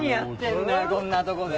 こんなとこで。